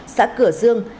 xã cửa dương